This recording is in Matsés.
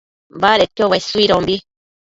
badedquio uesuidombi